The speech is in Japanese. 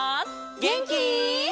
げんき？